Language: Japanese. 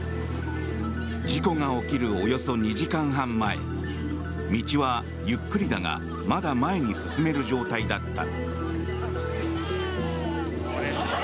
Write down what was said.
事故が起きるおよそ２時間半前道は、ゆっくりだがまだ前に進める状態だった。